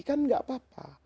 kan tidak apa apa